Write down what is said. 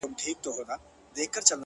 هغوی په سترگو کي سکروټې وړي لاسو کي ايرې!